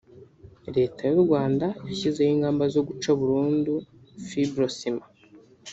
Leta y’u Rwanda yashyizeho ingamba zo guca burundu Fibrociment